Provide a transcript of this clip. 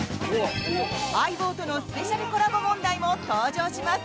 「相棒」とのスペシャルコラボ問題も登場します。